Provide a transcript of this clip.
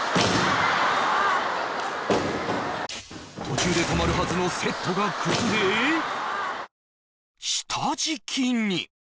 途中で止まるはずのセットが崩れ下敷きに！